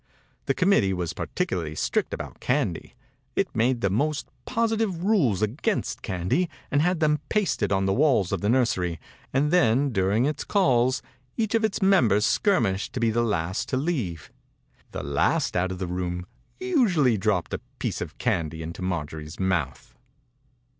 The committee was particularly strict about candy. It made the vtnost positive rules against :^.andy and had them pasted on .i^lie, walls of the nursery, and > ;K^j;during its calls, each of its &a«yiibers skirmished to be the >|a^|.tl5iQeave. The last out of the Irpn5>m%usually dropped a piece '^fjic^t^y into Marjorie's mouth.